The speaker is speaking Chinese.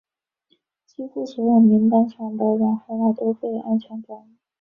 几乎所有名单上的人后来都被安全转移。